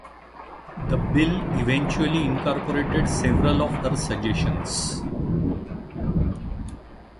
The bill eventually incorporated several of her suggestions.